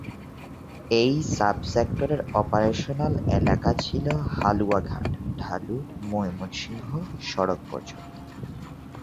এই সাব-সেক্টরের অপারেশনাল এলাকা ছিল হালুয়াঘাট, ঢালু, ময়মনসিংহ সড়ক পর্যন্ত।